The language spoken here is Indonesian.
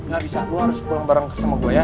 gak bisa lu harus pulang bareng kesama gua ya